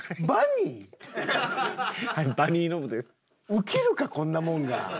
ウケるかこんなもんが！